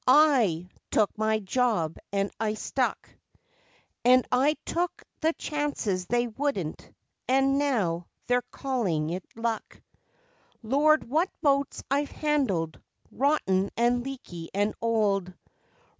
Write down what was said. I took my job and I stuck; And I took the chances they wouldn't, an' now they're calling it luck. Lord, what boats I've handled rotten and leaky and old!